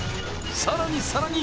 さらにさらに。